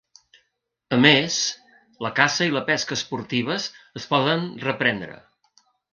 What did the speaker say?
A més, la caça i la pesca esportives es poden reprendre.